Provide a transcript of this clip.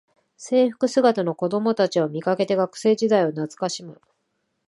制服姿の子どもたちを見かけて学生時代を懐かしむ